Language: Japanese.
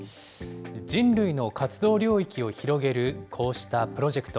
人類の活動領域を広げるこうしたプロジェクト。